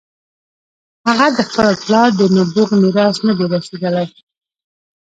هغه د خپل پلار د نبوغ میراث نه دی رسېدلی.